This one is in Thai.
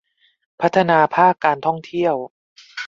พัฒนาภาคการท่องเที่ยว